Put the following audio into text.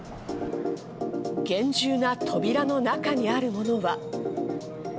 厳重な扉の中にあるものは。